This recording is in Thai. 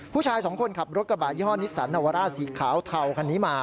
ผู้ชายสองคนขับรถกระบะยี่ห้อนิสสันนาวาร่าสีขาวเทาคันนี้มา